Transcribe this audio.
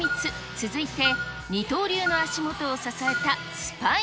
続いて、二刀流の足元を支えたス